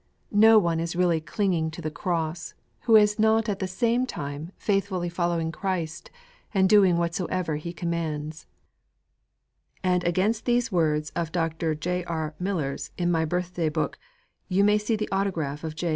No one is really clinging to the Cross who is not at the same time faithfully following Christ and doing whatsoever He commands_'; and against those words of Dr. J. R. Miller's in my Birthday Book, you may see the autograph of _J.